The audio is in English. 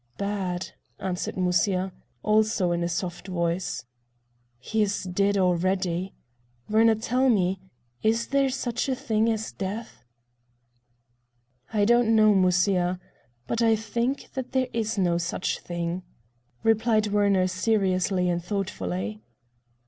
"Bad," answered Musya, also in a soft voice. "He is dead already. Werner, tell me, is there such a thing as death?" "I don't know, Musya, but I think that there is no such thing," replied Werner seriously and thoughtfully.